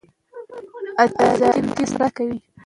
عربي نښې مرسته کوي.